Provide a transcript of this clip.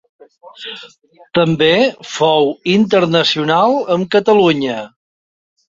També fou internacional amb Catalunya.